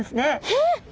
えっ！